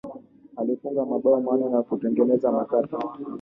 alifunga mabao manne na kutengeneza matatu